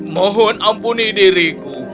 mohon ampuni diriku